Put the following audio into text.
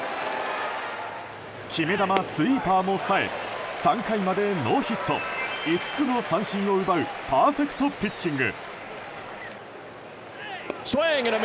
決め球、スイーパーもさえ３回までノーヒット５つの三振を奪うパーフェクトピッチング。